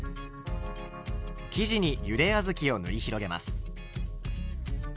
生地にゆであずきを塗り広げます。